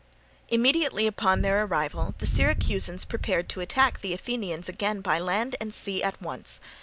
Immediately upon their arrival the Syracusans prepared to attack the Athenians again by land and sea at once.